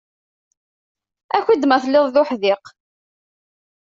Aki-d ma telliḍ d uḥdiq